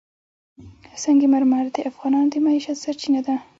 سنگ مرمر د افغانانو د معیشت سرچینه ده.